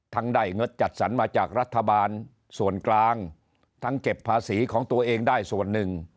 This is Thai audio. ได้เงินจัดสรรมาจากรัฐบาลส่วนกลางทั้งเก็บภาษีของตัวเองได้ส่วนหนึ่ง